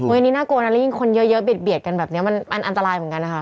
อันนี้น่ากลัวนะแล้วยิ่งคนเยอะเบียดกันแบบนี้มันอันตรายเหมือนกันนะคะ